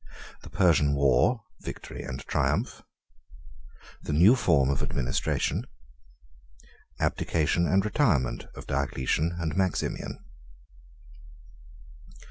—The Persian War, Victory, And Triumph.—The New Form Of Administration.—Abdication And Retirement Of Diocletian And Maximian.